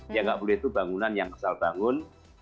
yang tidak boleh itu bangunan yang kesal bangun